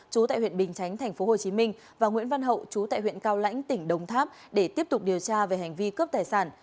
chú tại huyện bình chánh tp hcm và nguyễn văn hậu chú tại huyện cao lãnh tỉnh đồng tháp để tiếp tục điều tra về hành vi cướp tài sản